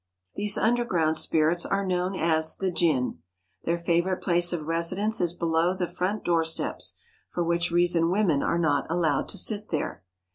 These underground spirits are known as the jinn. Their favourite place of residence is below the front doorsteps, for which reason women are not allowed to sit there.